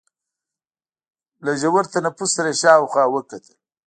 له ژور تنفس سره يې شاوخوا وکتل.